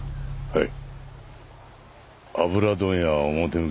はい。